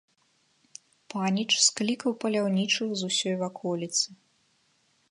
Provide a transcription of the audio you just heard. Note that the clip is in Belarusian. Паніч склікаў паляўнічых з усёй ваколіцы.